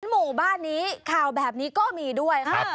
หมู่บ้านนี้ข่าวแบบนี้ก็มีด้วยค่ะ